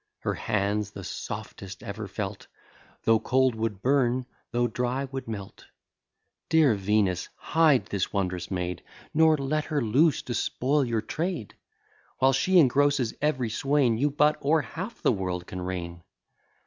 Her hands, the softest ever felt, Though cold would burn, though dry would melt. Dear Venus, hide this wond'rous maid, Nor let her loose to spoil your trade. While she engrosses ev'ry swain, You but o'er half the world can reign.